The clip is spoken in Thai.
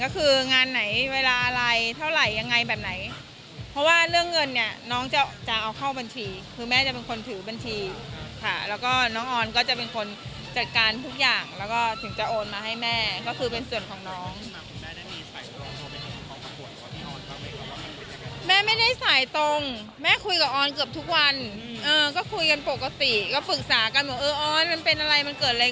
ก็คืองานไหนเวลาอะไรเท่าไหร่ยังไงแบบไหนเพราะว่าเรื่องเงินเนี่ยน้องจะจะเอาเข้าบัญชีคือแม่จะเป็นคนถือบัญชีค่ะแล้วก็น้องออนก็จะเป็นคนจัดการทุกอย่างแล้วก็ถึงจะโอนมาให้แม่ก็คือเป็นส่วนของน้องคุณแม่ได้มีใส่แม่ไม่ได้สายตรงแม่คุยกับออนเกือบทุกวันเออก็คุยกันปกติก็ปรึกษากันบอกเออออนมันเป็นอะไรมันเกิดอะไร